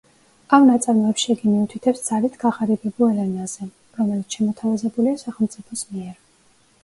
ამ ნაწარმოებში იგი მიუთითებს ძალით გაღარიბებულ ენაზე, რომელიც შემოთავაზებულია სახელმწიფოს მიერ.